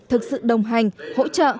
thực sự đồng hành hỗ trợ